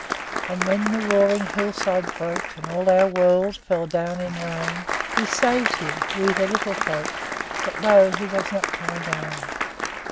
And when the roaring hillside broke, And all our world fell down in rain, We saved him, we the Little Folk; But lo! he does not come again!